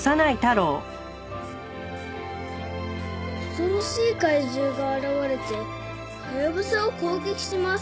「恐ろしい怪獣が現れてハヤブサを攻撃します」